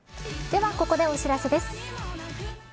では、ここでお知らせです。